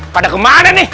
pada kemana nih